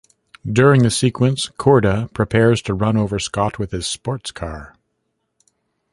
During the sequence, Korda prepares to run over Scott with his sports car.